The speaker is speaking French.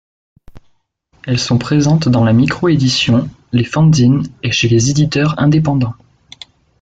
Elles sont présentes dans la micro-édition, les fanzines et chez les éditeurs indépendants.